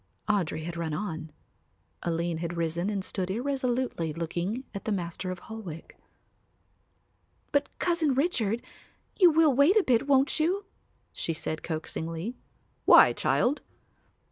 Audry had run on. Aline had risen and stood irresolutely looking at the Master of Holwick. "But, Cousin Richard, you will wait a bit, won't you?" she said coaxingly. "Why, child?"